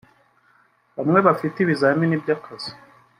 bamwe bafite ibizamini bya kazi